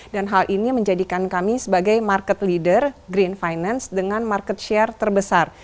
dan hal ini menjadikan kami sebagai market leader green finance dengan market share terbesar